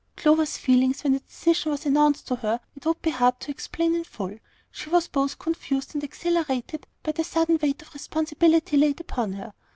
Clover's feelings when the decision was announced to her it would be hard to explain in full. She was both confused and exhilarated by the sudden weight of responsibility laid upon her.